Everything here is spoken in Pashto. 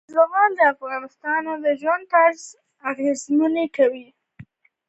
زغال د افغانانو د ژوند طرز اغېزمنوي.